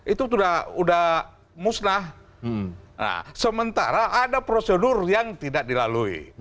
itu sudah musnah sementara ada prosedur yang tidak dilalui